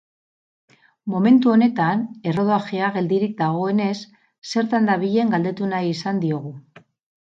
Momentu honetan, errodajea geldirik dagoenez, zertan dabilen galdetu nahi izan diogu.